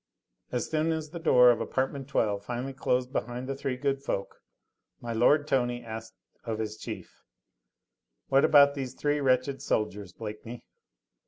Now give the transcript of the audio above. As soon as the door of apartment No. 12 finally closed behind the three good folk, my lord Tony asked of his chief: "What about these three wretched soldiers, Blakeney?"